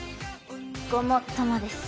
ごもっともです。